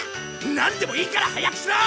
なんでもいいから早くしろ！